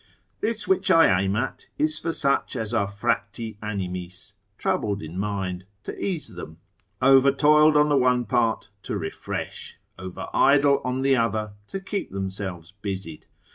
This which I aim at, is for such as are fracti animis, troubled in mind, to ease them, over toiled on the one part, to refresh: over idle on the other, to keep themselves busied.